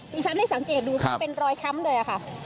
ดิฉันได้สังเกตดูคือเป็นรอยช้ำเลยค่ะ